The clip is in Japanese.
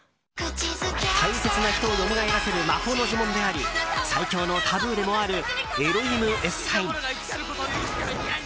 大切な人をよみがえらせる魔法の呪文であり最凶のタブーでもあるエロイムエッサイム。